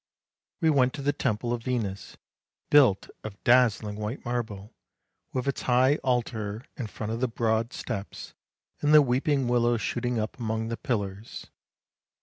We went to the Temple of Venus, built of dazzling white marble, with its high altar in front of the broad steps, and the weeping willow shooting up among the pillars.